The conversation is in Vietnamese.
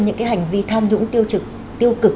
những cái hành vi tham nhũng tiêu cực